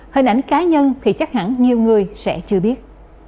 hình ảnh cá nhân thì chắc hẳn nhiều người sẽ chưa biết